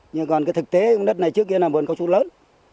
nhưng còn cái thực tế đất này trước kia là bờn cầu trụ lớn